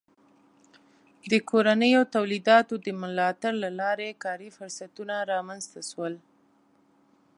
د کورنیو تولیداتو د ملاتړ له لارې کاري فرصتونه رامنځته سول.